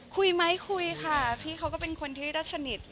คุยไหมคุยค่ะพี่เขาก็เป็นคนที่ได้สนิท